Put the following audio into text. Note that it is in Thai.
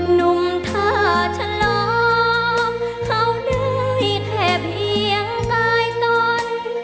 หนุ่มทาชะลอบเข้าด้วยแค่เพียงกายตน